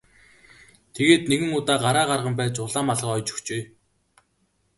Тэгээд нэгэн удаа гараа гарган байж улаан малгай оёж өгчээ.